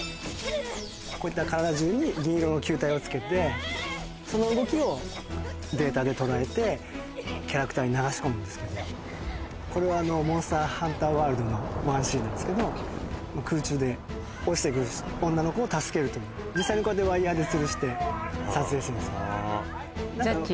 こういった体じゅうに銀色の球体を付けてその動きをデータで捉えてキャラクターに流し込むんですけどこれはモンスターハンターワールドのワンシーンなんですけど空中で落ちてくる女の子を助けるという実際にこうやってワイヤーでつるして撮影するんですよ